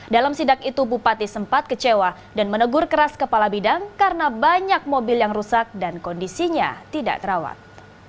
dalam sidak itu bupati sempat kecewa dan menegur keras kepala bidang karena banyak mobil yang rusak dan kondisinya tidak terawat